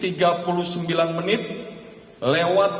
tersangka ims memasuki kamar saksi aye dalam keadaan magazin ke dalam tas